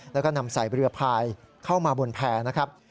แล้วก็นำใส่เรือพายเข้ามาบนแพร่นะครับ